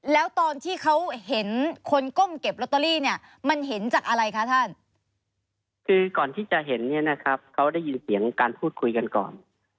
แล้วตอนที่เขาเห็นคนก้มเก็บลอตเตอรี่เนี่ยมันเห็นจากอะไรคะท่าน